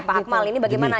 pak akmal ini bagaimana